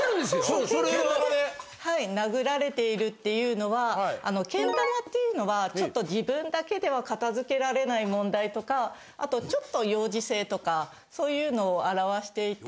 けん玉で殴られているっていうのはけん玉っていうのはちょっと自分だけでは片づけられない問題とかあとちょっと幼児性とかそういうのを表していて。